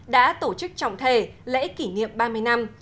đã tổ chức trọng thể lễ kỷ niệm ba mươi năm